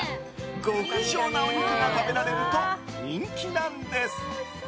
極上なお肉が食べられると人気なんです。